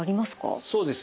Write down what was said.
そうですね。